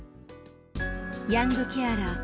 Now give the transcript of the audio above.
ヤングケアラー。